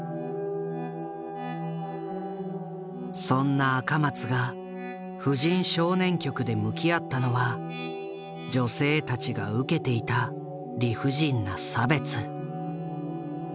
そんな赤松が婦人少年局で向き合ったのは女性たちが受けていた理不尽な差別。